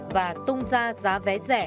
và tung ra giá vé rẻ